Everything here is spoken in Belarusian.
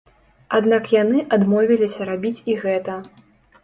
Аднак яны адмовіліся рабіць і гэта.